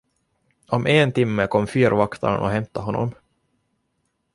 Om en timme kom fyrvaktaren och hämtade honom.